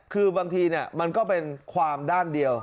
คือบางทีมันก็เป็นความด้านเดียว